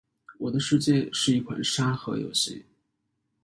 《我的世界》是一款沙盒游戏。